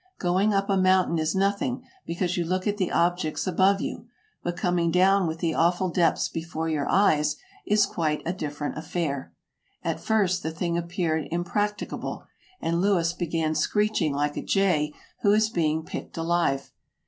Going up a mountain is nothing, because you look at the objects above you, but coming down with the awful depths before your eyes, is quite a different affair. At first the thing appeared impracticable, and Louis began screeching like a jay who is being picked alive.